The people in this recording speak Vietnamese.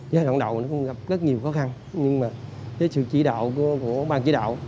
giai đoạn đầu gặp rất nhiều khó khăn nhưng sự chỉ đạo của ban chỉ đạo